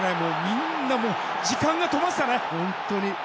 みんな時間が止まってたよね。